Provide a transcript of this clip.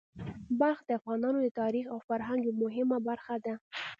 بلخ د افغانانو د تاریخ او فرهنګ یوه مهمه برخه ده.